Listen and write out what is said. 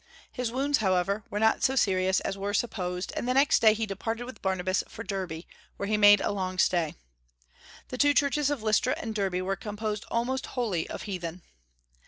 His wounds, however, were not so serious as were supposed, and the next day he departed with Barnabas for Derbe, where he made a long stay. The two churches of Lystra and Derbe were composed almost wholly of heathen.